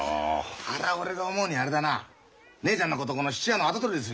あれは俺が思うにあれだな姉ちゃんのこと質屋の跡取りにする気だな。